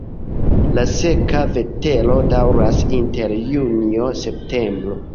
La seka vetero daŭras inter junio-septembro.